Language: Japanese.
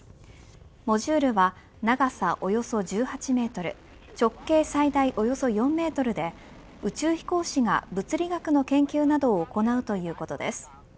モジュールは長さおよそ１８メートル直径最大およそ４メートルで宇宙飛行士が物理学の研究などを行うということです。